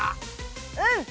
うん！